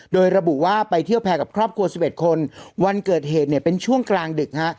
โดยระบุว่าไปเที่ยวแพร่กับครอบครัว๑๑คนวันเกิดเหตุเนี่ยเป็นช่วงกลางดึกฮะ